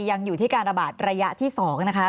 ยังอยู่ที่การระบาดระยะที่๒นะคะ